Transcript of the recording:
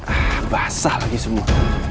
ah basah lagi semua